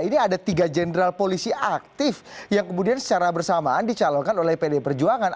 ini ada tiga jenderal polisi aktif yang kemudian secara bersamaan dicalonkan oleh pd perjuangan